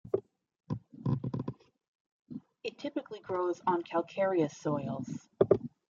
It typically grows on calcareous soils.